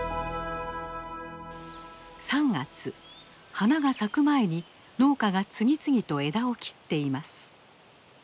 花が咲く前に農家が次々と枝を切っています。